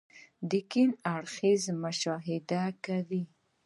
ګڼ اړخيزه مشاهده کوئ -